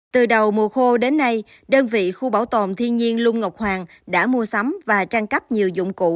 từ đầu mùa khô đến nay đơn vị khu bảo tồn thiên nhiên lung ngọc hoàng đã mua sắm và trang cấp nhiều dụng cụ